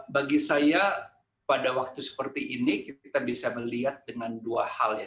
bagi saya pada waktu seperti ini kita bisa melihat dengan dua hal ya